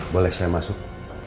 boleh saya masuk